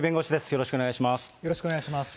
よろしくお願いします。